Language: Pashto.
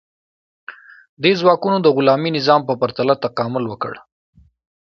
دې ځواکونو د غلامي نظام په پرتله تکامل وکړ.